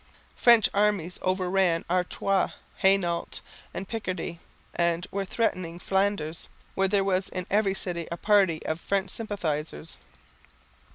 French armies overran Artois, Hainault and Picardy, and were threatening Flanders, where there was in every city a party of French sympathisers.